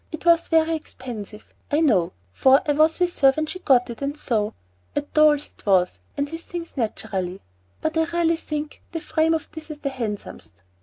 It was very expensive, I know, for I was with her when she got it, and so at Doll's it was; and his things naturally but I really think the frame of this is the handsomest!